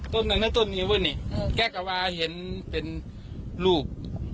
ต้นเนี่ยก็ว่าเห็นเป็นลูก